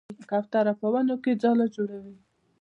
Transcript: کوتره په ونو کې ځاله جوړوي.